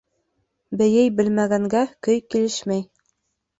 Бейей белмәгәнгә көй килешмәй.